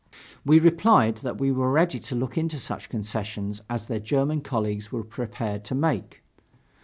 We replied that we were ready to look into such concessions as their German colleagues were prepared to make.